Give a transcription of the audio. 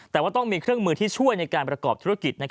แต่ว่าต้องมีเครื่องมือที่ช่วยในการประกอบธุรกิจ